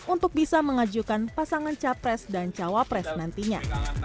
untuk bisa mengajukan pasangan capres dan cawapres nantinya